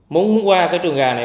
muốn qua cái trường gà này